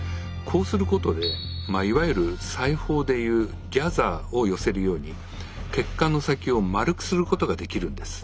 こうすることでまあいわゆる裁縫でいうギャザーを寄せるように血管の先を丸くすることができるんです。